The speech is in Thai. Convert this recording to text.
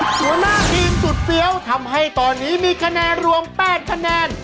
หัวหน้าทีมสุดเฟี้ยวทำให้ตอนนี้มีคะแนนรวม๘คะแนน